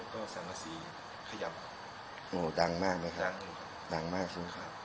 ก็สั่งสีขยับโอ้ดังมากไหมครับดังดังมากใช่ไหมครับ